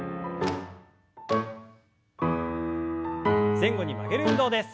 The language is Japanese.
前後に曲げる運動です。